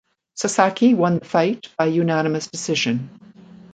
Sasaki won the fight by unanimous decision.